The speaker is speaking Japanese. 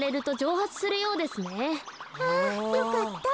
あよかった。